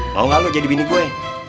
mau gak lo jadi bini gue